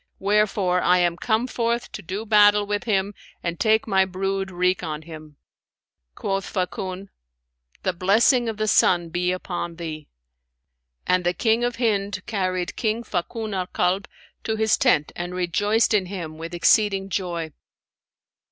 Wherefore I am come forth to do battle with him and take my brood wreak on him.' Quoth Fakun, 'The blessing of the sun be upon thee!'; and the King of Hind carried King Fakun al Kalb to his tent and rejoiced in him with exceeding joy.